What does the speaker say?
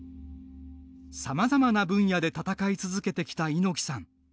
さまざまな分野で戦い続けてきた猪木さん。